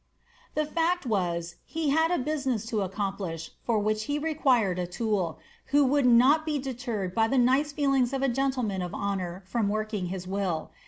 The fact was, he had a business to accomplish, fnr which he required « tool, who would not be deterred by the nice feelings of a gentleman of boaour from working his will.